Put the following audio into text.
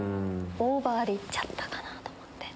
オーバーで行っちゃったかなと思って。